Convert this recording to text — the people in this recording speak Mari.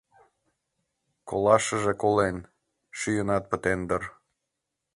— Колашыже колен, шӱйынат пытен дыр.